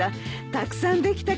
たくさんできたけど。